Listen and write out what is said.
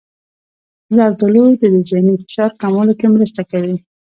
زردالو د ذهني فشار کمولو کې مرسته کوي.